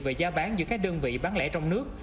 về giá bán giữa các đơn vị bán lẻ trong nước